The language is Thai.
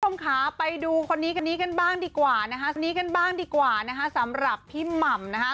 คุณผู้ชมค้าไปดูคนนี้กันบ้างดีกว่าคนนี้กันบ้างดีกว่าสำหรับพี่หม่ำ